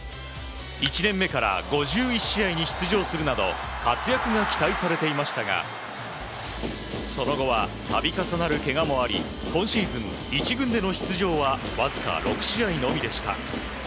１年目から５１試合に出場するなど活躍が期待されていましたがその後は度重なるけがもあり今シーズン１軍での出場はわずか６試合のみでした。